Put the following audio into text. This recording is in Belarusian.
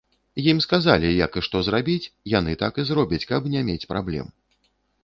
Ім сказалі, як і што зрабіць, яны так і зробяць, каб не мець праблем.